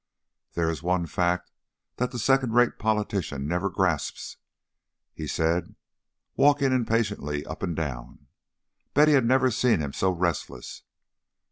"There is one fact that the second rate politician never grasps," he said, walking impatiently up and down; Betty had never seen him so restless.